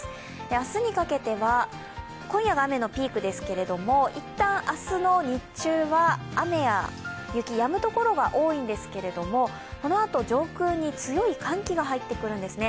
明日にかけては、今夜が雨のピークですけれども、一旦、明日の日中は雨や雪、やむところが多いんですけども、このあと上空に強い寒気が入ってくるんですね。